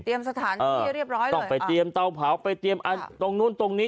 สถานที่เรียบร้อยต้องไปเตรียมเตาเผาไปเตรียมอันตรงนู้นตรงนี้